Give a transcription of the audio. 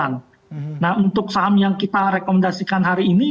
nah untuk saham yang kita rekomendasikan hari ini